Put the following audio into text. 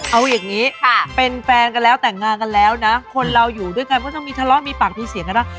เอาอย่างนี้เป็นแฟนกันแล้วแต่งงานกันแล้วนะคนเราอยู่ด้วยกันก็ต้องมีทะเลาะมีปากมีเสียงกันได้